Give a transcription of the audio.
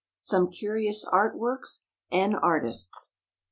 SOME CURIOUS ART WORKS AND ARTISTS.